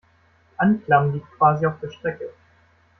Anklam liegt quasi auf der Strecke.